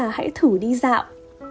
đầu tiên hãy thử đi dạo